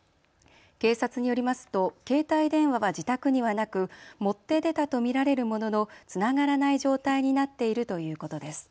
警察によりますと携帯電話は自宅にはなく持って出たと見られるもののつながらない状態になっているということです。